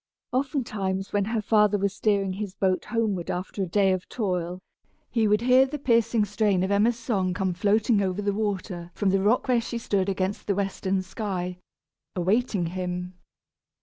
Oftentimes when her father was steering his boat homeward, after a day of toil, he would hear the piercing strain of Emma's song come floating over the water from the rock where she stood against the western sky, awaiting him.